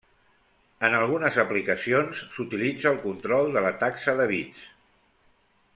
En algunes aplicacions s'utilitza el control de la taxa de bits.